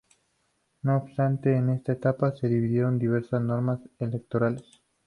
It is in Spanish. No obstante, en esta etapa se dieron diversas normas electorales.